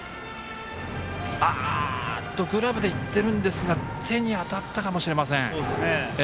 グラブでいってるんですが手に当たったかもしれません。